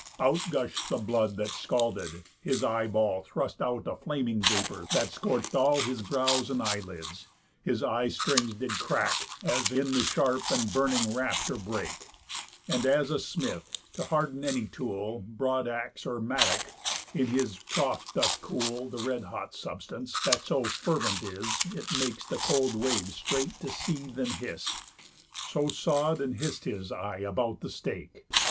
Out gush'd the blood that scalded, his eye ball Thrust out a flaming vapour, that scorch'd all His brows and eye lids, his eye strings did crack, As in the sharp and burning rafter brake. And as a smith, to harden any tool, Broad axe, or mattock, in his trough doth cool The red hot substance, that so fervent is It makes the cold wave straight to seethe and hiss; So sod and hiss'd his eye about the stake.